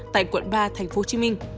tại quận ba tp hcm